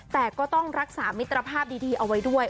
แต่ก็ต้องรักษามิตรภาพดีเอาไว้ด้วย